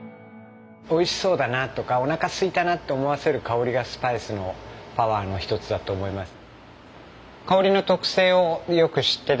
おいしそうだなとかおなかすいたなと思わせる香りがスパイスのパワーの一つだと思います。